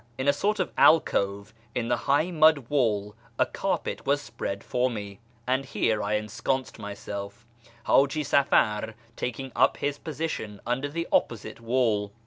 In a sort of alcove in the high mud wall a carpet was spread for me, and here I ensconced myself, H;iji Safar taking up his position under the opposite wall.